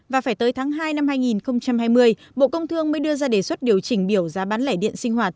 và phải tới tháng hai năm hai nghìn hai mươi bộ công thương mới đưa ra đề xuất điều chỉnh biểu giá bán lẻ điện sinh hoạt